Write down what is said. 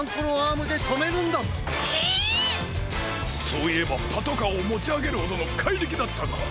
そういえばパトカーをもちあげるほどのかいりきだったな。